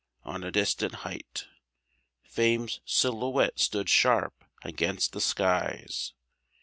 On a distant height Fame's silhouette stood sharp against the skies.